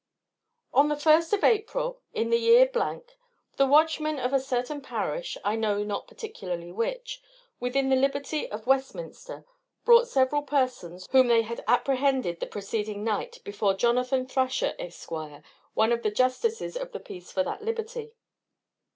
_ On the first of April, in the year , the watchmen of a certain parish (I know not particularly which) within the liberty of Westminster brought several persons whom they had apprehended the preceding night before Jonathan Thrasher, Esq., one of the justices of the peace for that liberty.